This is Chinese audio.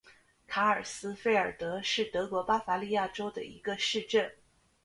卡尔斯费尔德是德国巴伐利亚州的一个市镇。